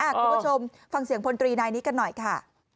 คุณผู้ชมฟังเสียงพลตรีนายนี้กันหน่อยค่ะ